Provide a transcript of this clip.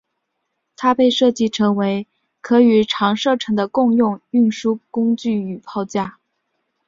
它被设计成可与长射程的共用运输工具与炮架。